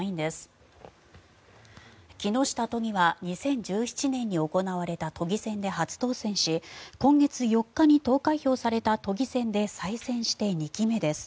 木下都議は２０１７年に行われた都議選で初当選し今月４日に投開票された都議選で再選して２期目です。